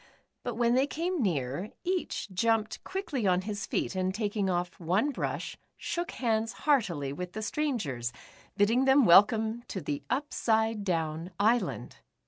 But when they came near, each jumped quickly on his feet, and taking off one brush, shook hands heart ily with the strangers, bidding them welcome to the Upsidedown Island.